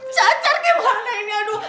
cacat gimana ini aduh